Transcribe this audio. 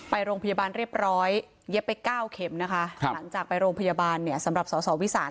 ไปโรงพยาบาลเรียบร้อยเย็บไป๙เข็มนะคะหลังจากไปโรงพยาบาลเนี่ยสำหรับสอสอวิสาน